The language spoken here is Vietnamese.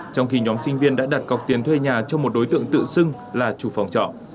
trong khi nhóm sinh viên đã đặt cọc tiền thuê nhà cho một đối tượng tự xưng là chủ phòng trọ